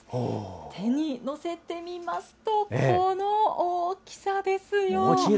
手に載せてみますと、この大きさですよ。